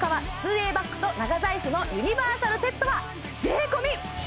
ｗａｙバッグと長財布のユニバーサルセットはウーン！